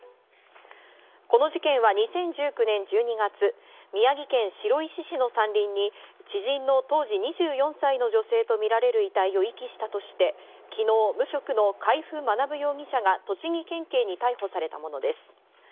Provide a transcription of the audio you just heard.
この事件は２０１９年１２月、宮城県白石市の山林に知人の当時２４歳の女性とみられる遺体を遺棄したとして、昨日、無職の海部学容疑者が栃木県警に逮捕されたものです。